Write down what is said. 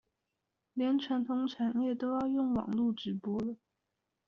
連傳統產業都要用網路直播了